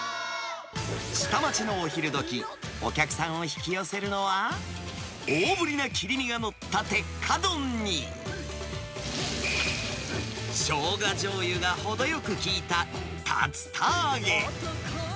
下町のお昼どき、お客さんを引き寄せるのは、大ぶりな切り身が載った鉄火丼に、しょうがじょうゆが程よく効いた竜田揚げ。